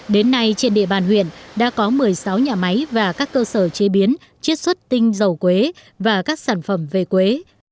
đến nay trên địa bàn huyện đã có một mươi sáu nhà máy và các cơ sở chế biến chiết xuất tinh dầu quế và các sản phẩm về quế